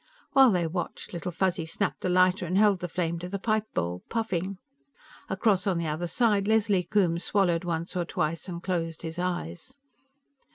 While they watched, Little Fuzzy snapped the lighter and held the flame to the pipe bowl, puffing. Across on the other side, Leslie Coombes swallowed once or twice and closed his eyes.